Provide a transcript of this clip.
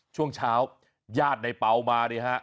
ช่วงเช้ายาดไนเป่ามาเนี่ยฮะ